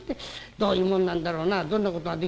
どういうもんなんだろうなどんなことができたんだか。